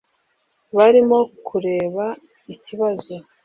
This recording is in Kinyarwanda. barimo kureba ikibazo